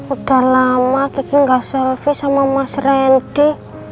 udah lama kiki gak selfie sama mas randy